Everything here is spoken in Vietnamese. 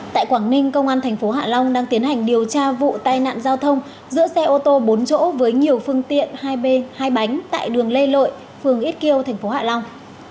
tại quảng ninh công an tp hạ long đang tiến hành điều tra vụ tai nạn giao thông giữa xe ô tô bốn chỗ với nhiều phương tiện hai b hai b tại đường lê lội phường ít kiêu tp hạ long